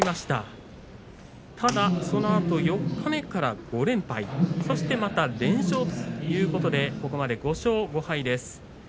ただ、四日目から５連敗そして、また連勝ということでここまで５勝５敗です。